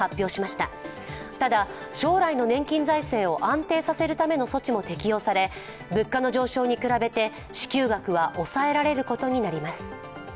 ただ将来の年金財政を安定させるための措置も適用され、物価の上昇に比べて支給額は抑えられることになります。